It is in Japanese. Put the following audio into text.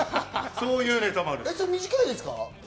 そういうネタもあるん短いですか？